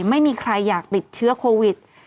ไม่มีใครอยากติดเชื้อโควิด